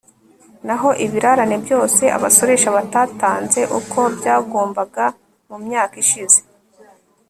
naho ibirarane byose abasoresha batatanze uko byagombaga mu myaka ishize